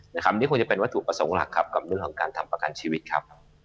อันนี้คงจะเป็นวัตถุประสงค์หลักครับกับเรื่องของการทำประกันชีวิตครับ